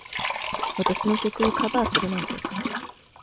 私の曲をカバーするなんて。